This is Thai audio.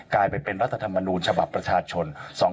กลายเป็นรัฐธรรมนูญฉบับประชาชน๒๕๖